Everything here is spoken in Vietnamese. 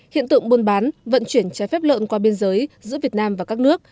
hiện tượng buôn bán vận chuyển trái phép lợn qua biên giới giữa việt nam và các nước